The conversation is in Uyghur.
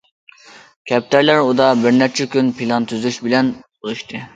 كەپتەرلەر ئۇدا بىرنەچچە كۈن پىلان تۈزۈش بىلەن بولۇشتى.